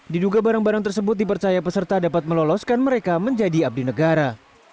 diduga barang barang tersebut dipercaya peserta dapat meloloskan mereka menjadi abdi negara